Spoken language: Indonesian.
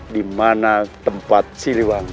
dimana tempat si wang